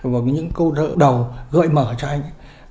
và những câu đỡ đầu gợi mở cho anh